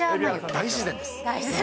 大自然です。